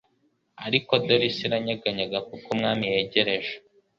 Ariko dore isi iranyeganyega, kuko Umwami yegereje.